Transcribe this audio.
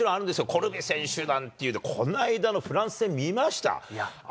コルビ選手なんて、この間のフランス戦、見ました？